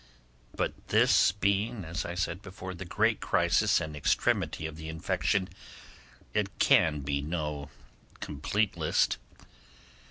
But this being, as I said before, the great crisis and extremity of the infection, it can be no complete list.